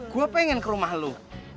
gue pengen ke rumah lo